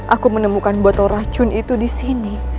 aku menemukan botol racun itu disini